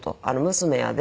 「娘やで。